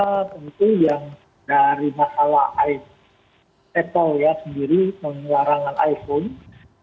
yang kedua tentu yang dari masalah apple ya sendiri mengelarangan iphone